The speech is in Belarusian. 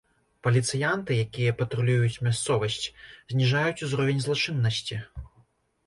Паліцыянты, якія патрулююць мясцовасць, зніжаюць узровень злачыннасці.